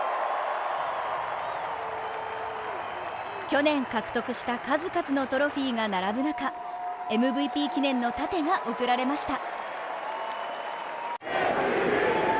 去年獲得した数々のトロフィーが並ぶ中ＭＶＰ記念の盾が贈られました。